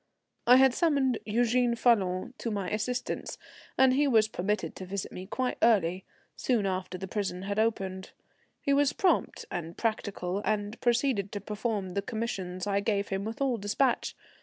I had summoned Eugène Falloon to my assistance, and he was permitted to visit me quite early, soon after the prison had opened. He was prompt and practical, and proceeded to perform the commissions I gave him with all despatch.